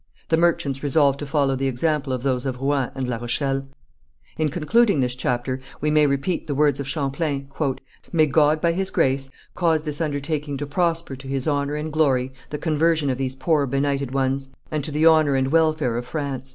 The merchants resolved to follow the example of those of Rouen and La Rochelle. In concluding this chapter we may repeat the words of Champlain: "May God by His grace cause this undertaking to prosper to His honour and glory the conversion of these poor benighted ones, and to the honour and welfare of France."